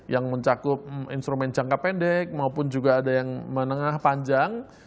yang mencakup instrumen jangka pendek maupun juga ada yang menengah panjang